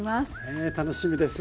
ええ楽しみです。